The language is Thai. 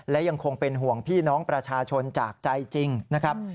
และยังคงเป็นห่วงพี่น้องประชาชนจากใจจริงนะครับ